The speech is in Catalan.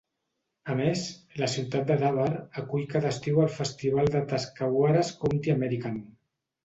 A més, la ciutat de Dover acull cada estiu el Festival de Tuscawaras County-American.